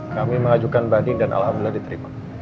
kami mengajukan banding dan alhamdulillah diterima